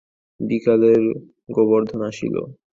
বিকালে গোবর্ধন আসিল।